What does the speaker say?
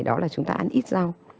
đó là chúng ta ăn ít rau